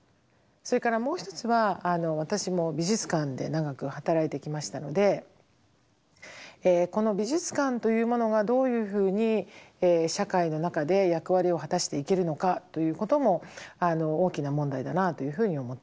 それからもう一つは私も美術館で長く働いてきましたのでこの美術館というものがどういうふうに社会の中で役割を果たしていけるのかということも大きな問題だなというふうに思っています。